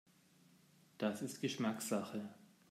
Das ist Geschmackssache.